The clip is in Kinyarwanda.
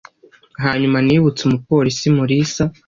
Hanyuma nibutse Umupolisi Mulisa.